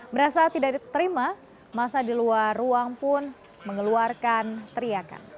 merasa tidak diterima masa di luar ruang pun mengeluarkan teriakan